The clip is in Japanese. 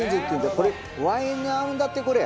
これワインに合うんだってこりゃ。